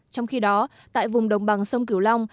trong khi đó tại vùng đồng bằng sông cửu long